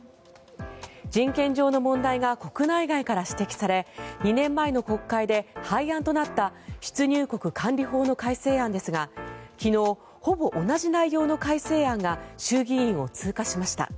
人権上の問題が国内外から指摘され２年前の国会で廃案となった出入国管理法の改正案ですが昨日、ほぼ同じ内容の改正案が衆議院を通過しました。